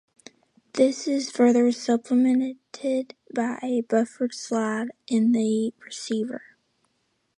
This is further supplemented by a buffered slide in the receiver.